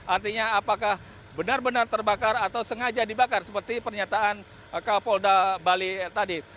artinya apakah benar benar terbakar atau sengaja dibakar seperti pernyataan kapolda bali tadi